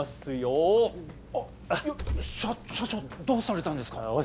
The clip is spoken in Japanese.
どうされたんですか？